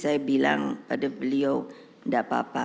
saya bilang pada beliau tidak apa apa